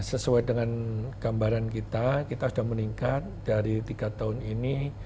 sesuai dengan gambaran kita kita sudah meningkat dari tiga tahun ini